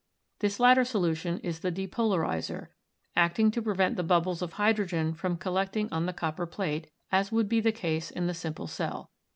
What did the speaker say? This latter solution is the "depolarizer," acting to prevent the bubbles of hy drogen from collecting on the copper phate, as would be the case in the simple cell.